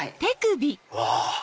うわ！